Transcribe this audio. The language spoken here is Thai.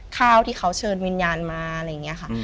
ข้าวที่เขาเชิญวิญญาณมาอะไรอย่างนี้ค่ะ